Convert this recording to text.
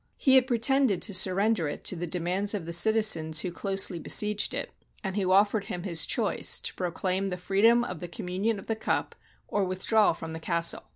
He had pretended to surrender it to the demands of the citi zens who closely besieged it, and who offered him his choice, to proclaim the freedom of the communion of the cup, or withdraw from the castle.